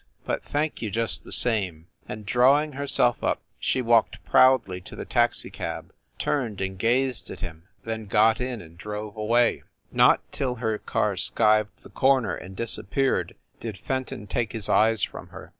But thank you just the same." And, drawing herself up, she walked proudly to the taxi cab, turned and gazed at him, then got in and drove away. WYCHERLEY COURT 241 Not till her car skived the corner and disap peared did Fenton take his eyes from her.